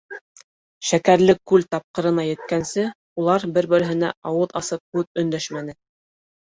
Шәкәрле күл тапҡырына еткәнсе улар бер-береһенә ауыҙ асып һүҙ өндәшмәне.